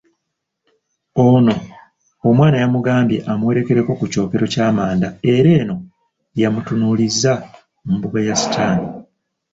Ono, omwana yamugambye amuwerekereko ku kyokero ky'amanda era eno gyeyamutunuulizza mu mbuga ya sitaani.